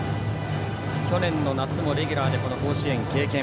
去年の夏もレギュラーで甲子園を経験。